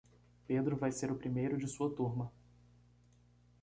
Pedro vai ser o primeiro de sua turma.